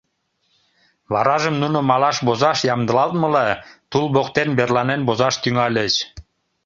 Варажым нуно малаш возаш ямдылалтмыла тул воктен верланен возаш тӱҥальыч.